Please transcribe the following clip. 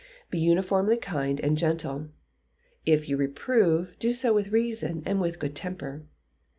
Be uniformly kind and gentle. If you reprove, do so with reason and with good temper.